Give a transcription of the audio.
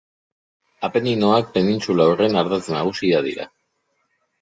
Apeninoak penintsula horren ardatz nagusia dira.